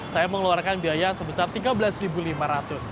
saya mengeluarkan biaya sebesar rp tiga belas lima ratus